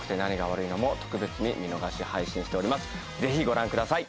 ぜひご覧ください。